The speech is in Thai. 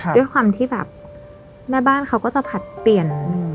ด้วยความที่แบบแม่บ้านเขาก็จะผลัดเปลี่ยน